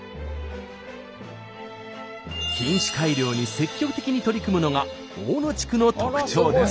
品種改良に積極的に取り組むのが大野地区の特徴です。